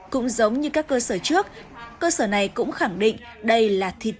cũng giống như các cơ sở trước cơ sở này cũng khẳng định đây là thịt lợn